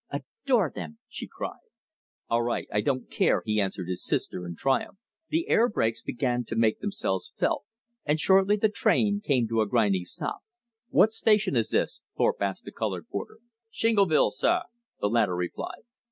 "Adore them!" she cried. "All right, I don't care," he answered his sister in triumph. The air brakes began to make themselves felt, and shortly the train came to a grinding stop. "What station is this?" Thorpe asked the colored porter. "Shingleville, sah," the latter replied.